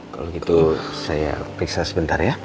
kalau gitu saya periksa sebentar ya